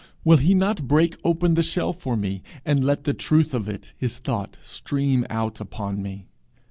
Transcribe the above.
Will he not break open the shell for me, and let the truth of it, his thought, stream out upon me?